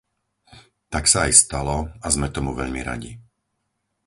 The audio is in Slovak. Tak sa aj stalo a sme tomu veľmi radi.